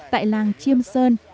tại làng chiêm sơn